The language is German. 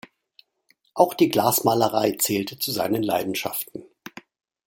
Auch die Glasmalerei zählte zu seinen Leidenschaften.